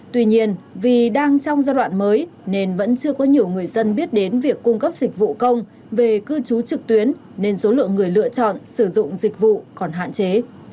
tuy nhiên vì đang trong giai đoạn mới nên vẫn chưa có nhiều người dân biết đến việc cung cấp dịch vụ công về cư trú trực tuyến nên số lượng người lựa chọn sử dụng dịch vụ còn hạn chế